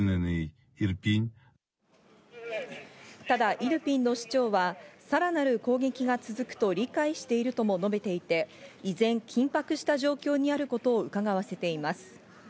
ただイルピンの市長はさらなる攻撃が続くと理解しているとも述べていて、依然、緊迫した状況にあることをうかがわせています。